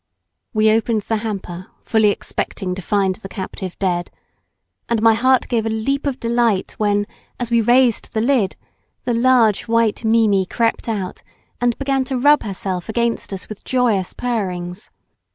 We opened the hamper fully expecting to find the captive dead, and my heart gave a leap of delight when, as we raised the lid, the large white Mimi crept out and began to rub herself against us with joyous purrings.